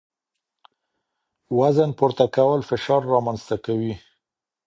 وزن پورته کول فشار رامنځ ته کوي.